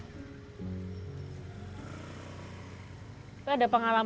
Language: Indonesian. pada saat ini kerupuk yang diberikan kembali ke rumah